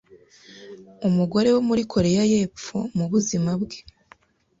umugore wo muri Koreya y'epfo mu buzima bwe